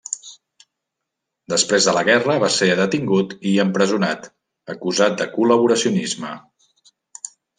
Després de la guerra va ser detingut i empresonat, acusat de col·laboracionisme.